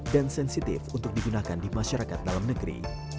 dan sensitif untuk digunakan di masyarakat dalam negeri